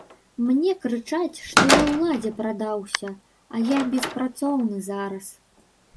Мне крычаць, што я ўладзе прадаўся, а я беспрацоўны зараз.